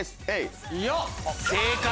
正解！